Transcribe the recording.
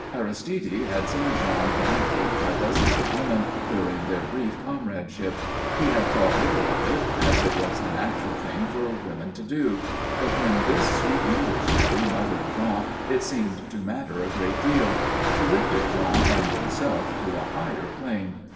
Aristide had seen Jean dandled by dozens of women during their brief comradeship; he had thought little of it, as it was the natural thing for women to do; but when this sweet English lady mothered Jean it seemed to matter a great deal. She lifted Jean and himself to a higher plane.